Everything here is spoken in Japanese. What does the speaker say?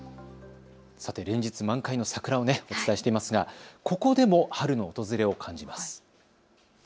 さて、連日満開の桜をお伝えしていますがここでも春の訪れを感じます。